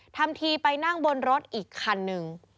ทำทีไปนั่งบนรถอีกคันหนึ่ง